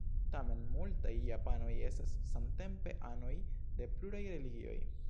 Tamen multaj japanoj estas samtempe anoj de pluraj religioj.